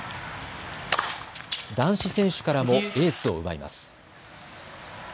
男子選手からもエースを奪います。